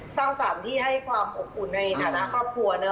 สร้างสรรค์ที่ให้ความอบอุ่นในฐานะครอบครัว